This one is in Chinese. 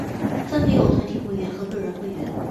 分别有团体会员及个人会员。